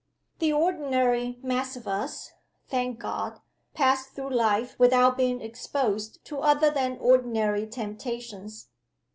The ordinary mass of us, thank God, pass through life without being exposed to other than ordinary temptations.